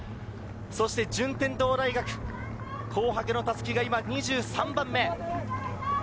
そして順天堂大学、紅白の襷が今２３番目。